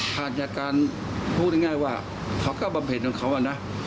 ผ่านจากการพูดง่ายว่าเขาก็บำเพ็ญของเขานะ